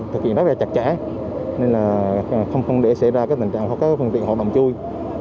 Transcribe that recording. thực hiện rất là chặt chẽ nên là không để xảy ra tình trạng hoặc phương tiện họ đồng chui